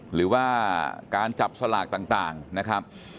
หรือว่าการจับสลากต่างนะครับ